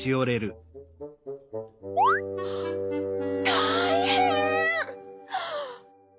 たいへん！